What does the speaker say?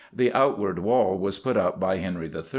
The Outward Wall was put up by Henry III.